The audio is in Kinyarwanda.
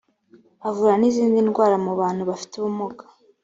avura n’izindi ndwara mu bantu bafite ubumuga